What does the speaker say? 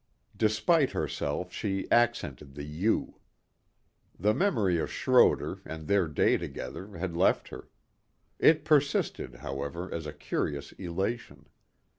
Despite herself she accented the you. The memory of Schroder and their day together had left her. It persisted, however, as a curious elation.